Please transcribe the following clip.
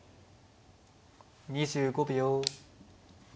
２５秒。